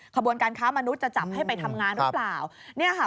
ขบวนการค้ามนุษย์จะจับให้ไปทำงานหรือเปล่าเนี่ยค่ะ